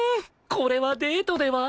これはデートでは？